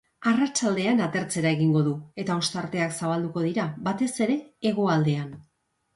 Arratsaldean atertzera egingo du, eta ostarteak zabalduko dira, batez ere hegoaldean.